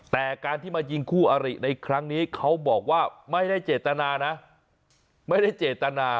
แต่การที่มายิงคู่อริในครั้งนี้เขาบอกว่าไม่ได้เจตนานะไม่ได้เจตนา